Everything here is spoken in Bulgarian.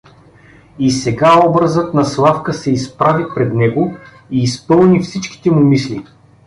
И сега образът на Славка се изправи пред него и изпълни всичките му мисли.